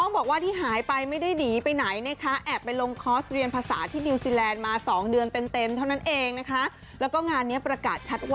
บอกว่าเธอเนี่ยจะลาแล้วไม่มารับงานอะไรแล้ว